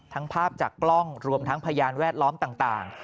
ภาพจากกล้องรวมทั้งพยานแวดล้อมต่าง